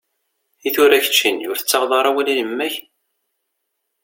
Itura keččini, ur tettaɣeḍ ara awal i yemma-k?